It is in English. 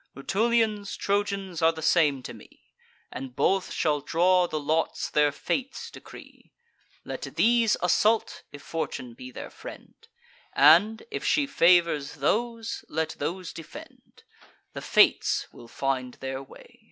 Rutulians, Trojans, are the same to me; And both shall draw the lots their fates decree. Let these assault, if Fortune be their friend; And, if she favours those, let those defend: The Fates will find their way."